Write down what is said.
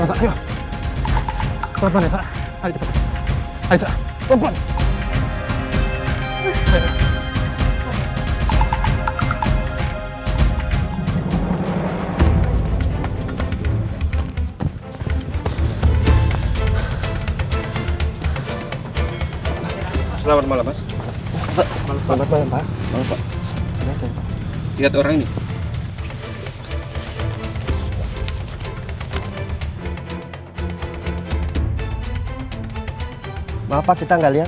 selamat malam pak